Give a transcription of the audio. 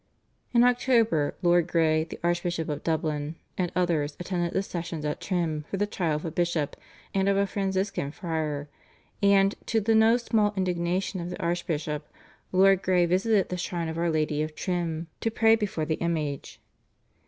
In October Lord Grey, the Archbishop of Dublin, and others attended the sessions at Trim for the trial of a bishop and of a Franciscan friar, and, to the no small indignation of the archbishop, Lord Grey visited the shrine of Our Lady of Trim to pray before the image.